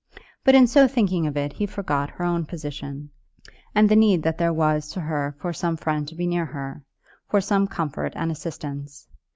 But in so thinking of it he forgot her own position, and the need that there was to her for some friend to be near to her, for some comfort and assistance.